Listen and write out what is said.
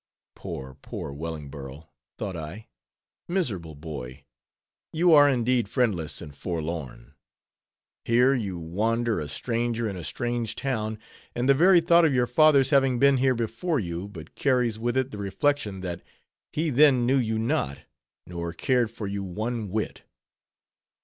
Poor, poor Wellingborough! thought I, miserable boy! you are indeed friendless and forlorn. Here you wander a stranger in a strange town, and the very thought of your father's having been here before you, but carries with it the reflection that, he then knew you not, nor cared for you one whit.